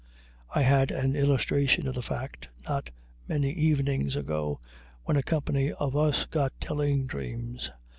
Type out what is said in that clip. I had an illustration of the fact, not many evenings ago, when a company of us got telling dreams.